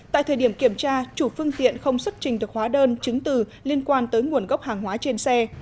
tại thời điểm kiểm tra chủ phương tiện không xuất trình được hóa đơn chứng từ liên quan tới nguồn gốc hàng hóa trên xe